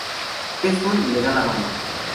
Desmond le da la mano.